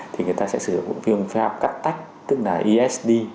thì người ta sẽ sử dụng phương pháp cắt tách tức là esd